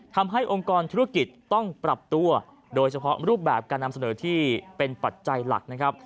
ทำให้องค์กรธุรกิจต้องปรับตัวโดยเฉพาะรูปแบบการนำเสนอที่เป็นปัจจัยหลักนะครับ